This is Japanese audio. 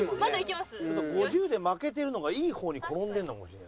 ５０で負けてるのがいい方に転んでるのかもしれない。